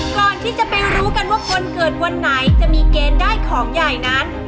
ก่อนที่จะไปรู้กันว่าคนเกิดวันไหนจะมีเกณฑ์ได้ของใหญ่นั้น